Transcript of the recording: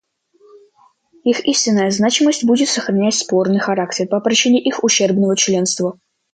Их истинная значимость будет сохранять спорный характер по причине их ущербного членства.